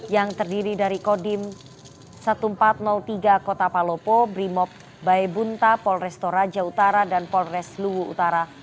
yang terdiri dari kodim seribu empat ratus tiga kota palopo brimob baebunta polres toraja utara dan polres luwu utara